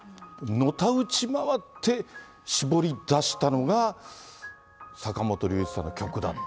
のたうち回って絞りだしたのが、坂本龍一さんの曲だ。